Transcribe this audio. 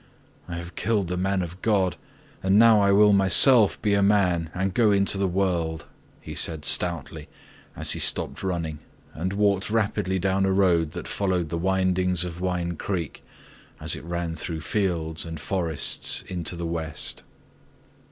"I have killed the man of God and now I will myself be a man and go into the world," he said stoutly as he stopped running and walked rapidly down a road that followed the windings of Wine Creek as it ran through fields and forests into the west.